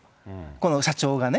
この社長がね。